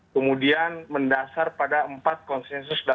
kemudian mendasar pada empat konsensus